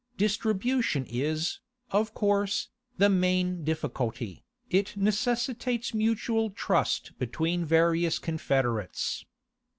Distribution is, of course, the main difficulty; it necessitates mutual trust between various confederates.